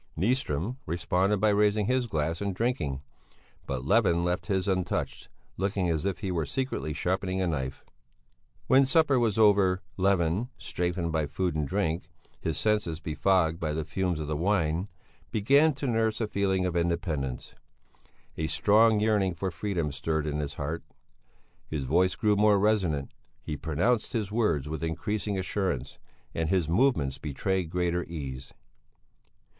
Nyström responded by raising his glass and drinking; but Levin left his untouched, looking as if he were secretly sharpening a knife. When supper was over Levin, strengthened by food and drink, his senses befogged by the fumes of the wine, began to nurse a feeling of independence; a strong yearning for freedom stirred in his heart. His voice grew more resonant; he pronounced his words with increasing assurance, and his movements betrayed greater ease.